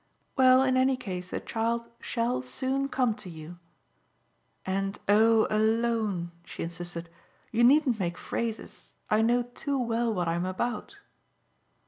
"Well, in any case the child SHALL soon come to you. And oh alone," she insisted: "you needn't make phrases I know too well what I'm about."